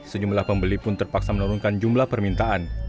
sejumlah pembeli pun terpaksa menurunkan jumlah permintaan